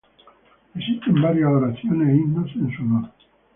Existen varias oraciones e himnos en su honor.